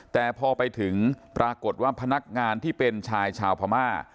แต่พอไปถึงปรากฏว่าพนักงานที่เป็นชายชาวพม่า